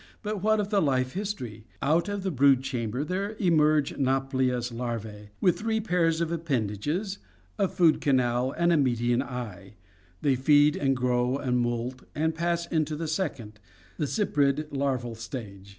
But what of the life history? Out of the brood chamber there emerge Nauplius larvae, with three pairs of appendages, a food canal, and a median eye. They feed and grow and moult, and pass into a second — the Cyprid larval stage.